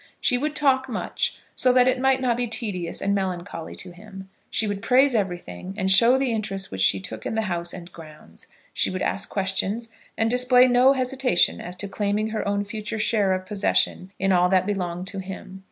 She would talk much, so that it might not be tedious and melancholy to him; she would praise everything, and show the interest which she took in the house and grounds; she would ask questions, and display no hesitation as to claiming her own future share of possession in all that belonged to him.